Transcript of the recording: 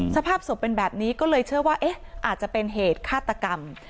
สภาพศพเป็นแบบนี้ก็เลยเชื่อว่าเอ๊ะอาจจะเป็นเหตุฆาตกรรม